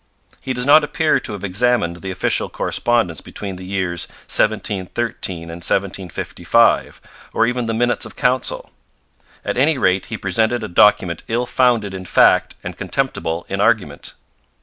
He does not appear to have examined the official correspondence between the years 1713 and 1755, or even the Minutes of Council. At any rate, he presented a document ill founded in fact and contemptible in argument.